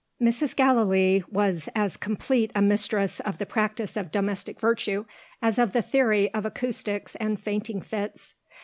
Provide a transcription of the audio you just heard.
Mrs. Gallilee was as complete a mistress of the practice of domestic virtue as of the theory of acoustics and fainting fits.